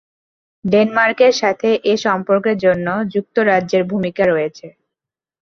ডেনমার্কের সাথে এ সম্পর্কের জন্য যুক্তরাজ্যের ভূমিকা রয়েছে।